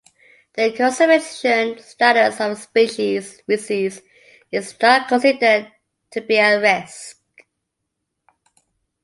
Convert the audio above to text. The conservation status of the species is "not considered to be at risk".